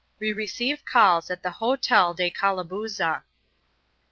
We reouTe calls at the Hotel de Calabooza.